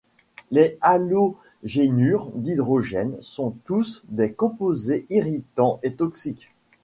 Les halogénures d'hydrogène sont tous des composés irritants et toxiques.